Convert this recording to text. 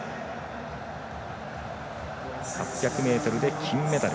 ８００ｍで金メダル。